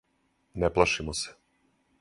Не плашимо се.